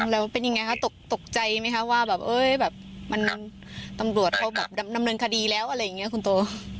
แล้วเป็นยังไงคะตกใจไหมคะว่าแบบมันตำรวจเขาแบบดำเนินคดีแล้วอะไรอย่างนี้คุณโต